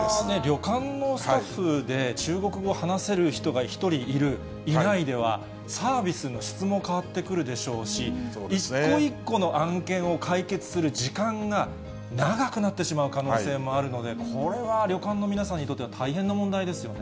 旅館のスタッフで、中国語を話せる人が１人いる、いないでは、サービスの質も変わってくるでしょうし、一個一個の案件を解決する時間が長くなってしまう可能性もあるので、これは旅館の皆さんにとっては、大変な問題ですよね。